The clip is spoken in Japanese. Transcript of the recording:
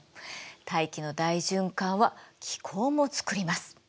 大気の大循環は気候もつくります。